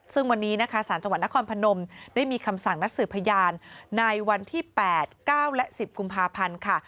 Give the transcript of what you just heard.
ซึ่งวันนี้นะคะสารจังหวัดนครพนมได้มีคำสั่งนัดสืบพยานในวันที่๘๙และ๑๐กุมภาพันธ์ค่ะ